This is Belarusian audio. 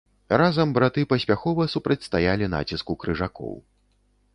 Разам браты паспяхова супрацьстаялі націску крыжакоў.